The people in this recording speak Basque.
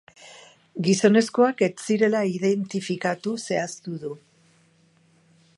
Gizonezkoak ez zirela identifikatu zehaztu du.